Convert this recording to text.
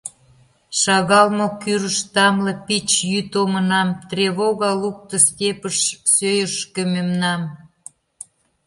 Шагал мо, кӱрышт тамле пич йӱд омынам, Тревога лукто степьыш «сӧйышкӧ» мемнам?